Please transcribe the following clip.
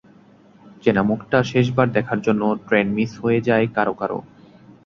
চেনা মুখটা শেষবার দেখার জন্য ট্রেন মিস হয়ে যায় কারও কারও।